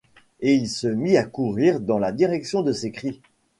Et il se mit à courir dans la direction de ces cris.